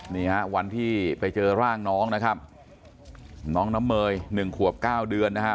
นี่ฮะวันที่ไปเจอร่างน้องนะครับน้องน้ำเมยหนึ่งขวบเก้าเดือนนะฮะ